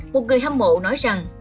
một người hâm mộ nói rằng